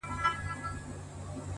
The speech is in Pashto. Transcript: نه؛ مزل سخت نه و. آسانه و له هري چاري.